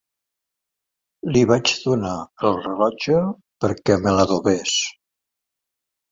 Li vaig donar el rellotge perquè me l'adobés.